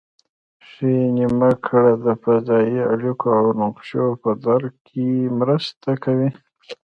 ښي نیمه کره د فضایي اړیکو او نقشو په درک کې مرسته کوي